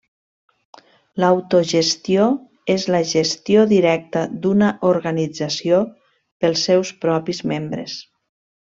L'autogestió és la gestió directa d'una organització pels seus propis membres.